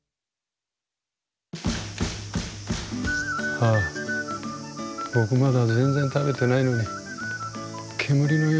はあ僕まだ全然食べてないのに煙のように消えてしまった。